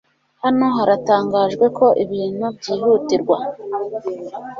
Hano haratangajwe ko ibintu byihutirwa.